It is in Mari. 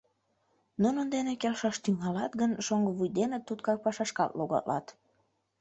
Нунын дене келшаш тӱҥалат гын, шоҥго вуй дене туткар пашашкат логалат...